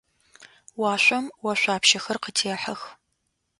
Уашъом ошъуапщэхэр къытехьэх.